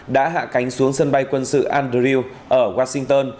đã hạ cánh xuống sân bay quân sự andrew ở washington